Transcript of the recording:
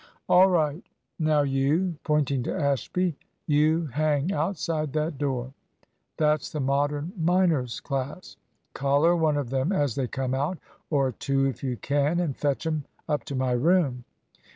"All right; now you," pointing to Ashby, "you hang outside that door. That's the Modern minors' class. Collar one of them as they come out, or two if you can; and fetch 'em up to my room.